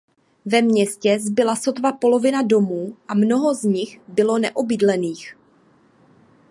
Ve městě zbyla sotva polovina domů a mnoho z nich bylo neobydlených.